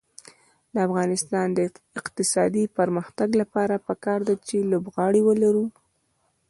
د افغانستان د اقتصادي پرمختګ لپاره پکار ده چې لوبغالي ولرو.